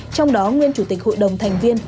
trong đó nguyên chủ tịch hội đồng thành viên